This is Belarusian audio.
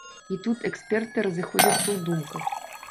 І тут эксперты разыходзяцца ў думках.